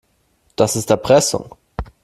Das ist Erpressung.